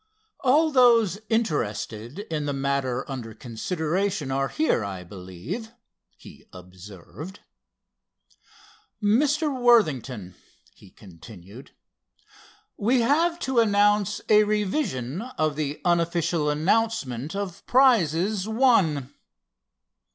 "All those interested in the matter under consideration are here, I believe," he observed. "Mr. Worthington," he continued, "we have to announce a revision of the unofficial announcement of prizes won."